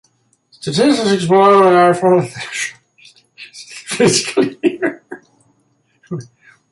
Statistics below are for the United States fiscal year, that runs October to September.